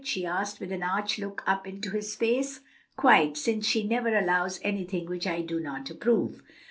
she asked, with an arch look up into his face. "Quite; since she never allows anything which I do not approve."